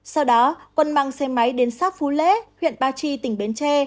sau đó quân mang xe máy đến sát phú lễ huyện ba chi tỉnh bến tre